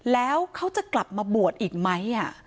แล้วเขาจะกลับมาบวชอีกไหม